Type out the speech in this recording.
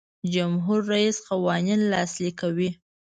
جمهور رئیس قوانین لاسلیک کوي.